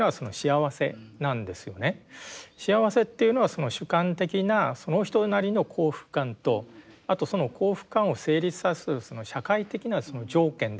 幸せっていうのは主観的なその人なりの幸福感とあとその幸福感を成立させる社会的なその条件ですよね。